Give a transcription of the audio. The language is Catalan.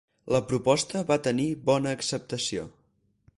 La proposta va tenir bona acceptació.